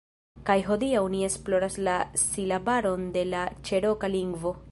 Kaj hodiaŭ ni esploros la silabaron de la Ĉeroka lingvo